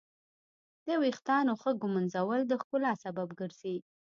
د ویښتانو ښه ږمنځول د ښکلا سبب ګرځي.